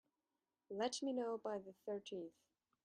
Let me know by the thirteenth.